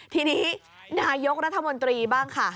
ทีนี้นายกรัฐมนตรีบ้างค่ะ